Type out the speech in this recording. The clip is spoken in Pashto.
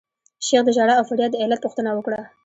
شیخ د ژړا او فریاد د علت پوښتنه وکړه.